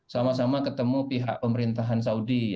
sama sama ketemu pihak pemerintahan saudi